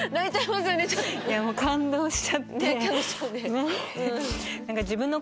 いやもう感動しちゃってねぇ。